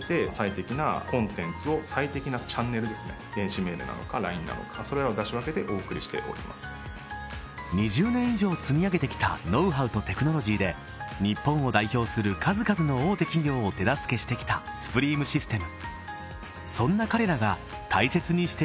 水中を自由に泳いでいた少年の夢は今私達は例えば２０年以上積み上げてきたノウハウとテクノロジーで日本を代表する数々の大手企業を手助けしてきたスプリームシステム